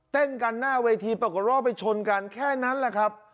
เต้นกันหน้าเวทีปรากฏว่าไปชนกันแค่นั้นแหละครับ